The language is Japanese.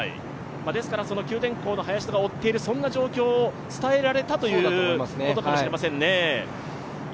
ですから九電工の林田が追っているという状況を伝えられたということかもしれませんね。